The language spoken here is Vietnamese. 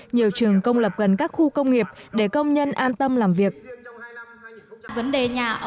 nhiều trường công lập gần các khu công nghiệp để công nhân áp dụng